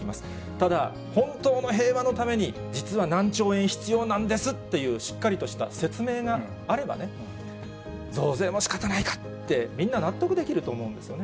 ただ、本当の平和のために、実は何兆円必要なんですっていうしっかりとした説明があればね、増税も仕方ないかって、みんな納得できると思うんですよね。